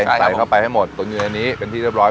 ใช่ครับผมใส่เข้าไปให้หมดตั๋วยือในนี้เป็นที่เรียบร้อย